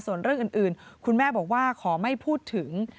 ส่วนเรื่องอื่นคุณแม่บอกว่าขอไม่พูดถึง